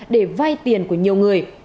để vai tiền của nhiều người